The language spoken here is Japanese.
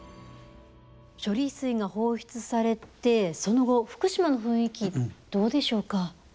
処理水が放出されてその後、福島の雰囲気どうでしょうか。